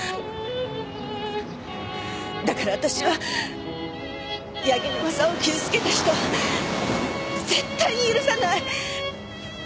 だから私は柳沼さんを傷つけた人を絶対に許さない！！